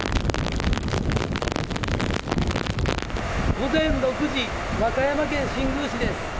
午前６時和歌山県新宮市です。